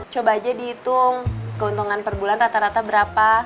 coba aja dihitung keuntungan per bulan rata rata berapa